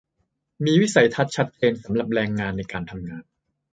มีวิสัยทัศน์ชัดเจนสำหรับแรงงานในการทำงาน